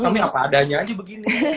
tapi apa adanya aja begini